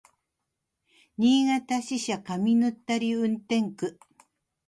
新潟支社上沼垂運転区